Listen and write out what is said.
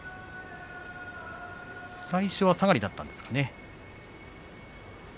最初はさがりだったんですね。